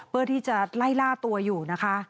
เพื่อที่จะไล่ล่าตัวอยู่นะคะ